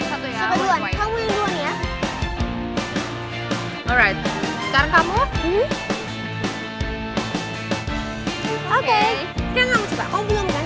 sekarang kamu coba kamu bilang gak gak dikasih nomornya